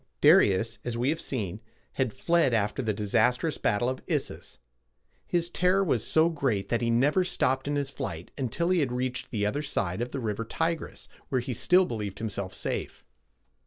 Darius, as we have seen, had fled after the disastrous battle of Issus. His terror was so great that he never stopped in his flight until he had reached the other side of the river Ti´gris, where he still believed himself safe.